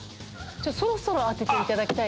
そろそろ当てていただきたい。